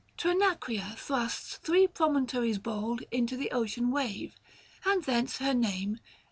Trinacria thrusts three promontories bold Into the ocean wave, and thence her name.